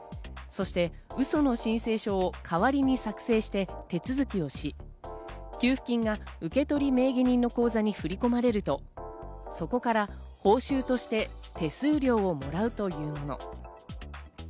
そしてウソの申請書を代わりに作成して手続きをし、給付金が受け取り名義人の口座に振り込まれると、そこから報酬として手数料をもらうというもの。